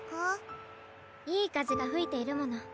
いいかぜがふいているもの。